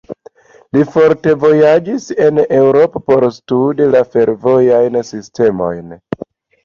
Li ofte vojaĝis en Eŭropo por studi la fervojajn sistemojn.